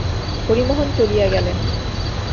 হরিমোহন চলিয়া গেলেন।